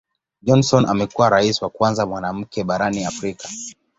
Johnson amekuwa Rais wa kwanza mwanamke barani Afrika.